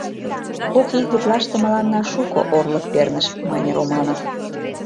— Кок ий гутлаште мыланна шуко орлык перныш, — мане Романов.